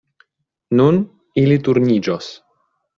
Nun ili turniĝos.